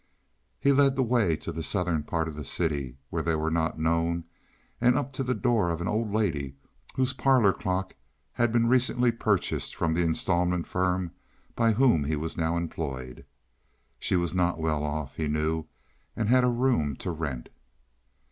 He led the way to the southern part of the city, where they were not known, and up to the door of an old lady whose parlor clock had been recently purchased from the instalment firm by whom he was now employed. She was not well off, he knew, and had a room to rent.